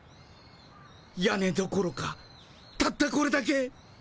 屋根どころかたったこれだけ。